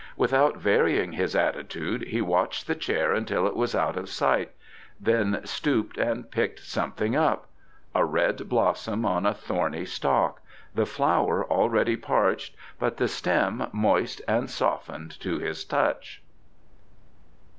Without varying his attitude he watched the chair until it was out of sight, then stooped and picked something up a red blossom on a thorny stalk, the flower already parched but the stem moist and softened to his touch.